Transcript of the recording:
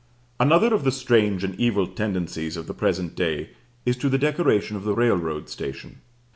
Another of the strange and evil tendencies of the present day is to the decoration of the railroad station.